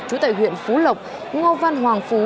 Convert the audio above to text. chú tại huyện phú lộc ngo văn hoàng phú